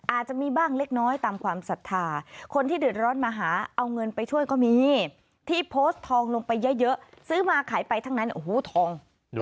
อาจจะมีบ้างเล็กน้อยตามความศรัทธาคนที่เดือดร้อนมาหาเอาเงินไปช่วยก็มีที่โพสต์ทองลงไปเยอะซื้อมาขายไปทั้งนั้นโอ้โหทอง